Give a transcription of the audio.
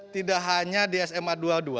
tidak hanya di sma dua puluh dua